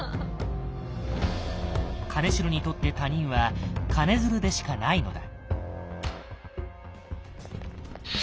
金城にとって他人は金づるでしかないのだ。